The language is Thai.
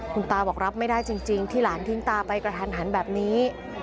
คุณตาบอกรับไม่ได้จริงที่หลานทิ้งตาไปกระทันหันแบบนี้